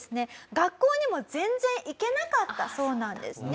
学校にも全然行けなかったそうなんですね。